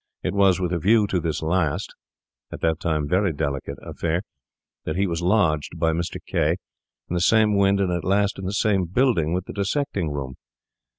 It was with a view to this last—at that time very delicate—affair that he was lodged by Mr. K— in the same wynd, and at last in the same building, with the dissecting rooms.